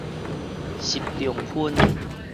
習仲勛